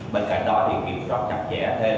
bên cạnh đó thì kiểm soát chặt chẽ thêm